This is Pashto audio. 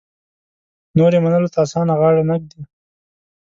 نور یې منلو ته اسانه غاړه نه ږدي.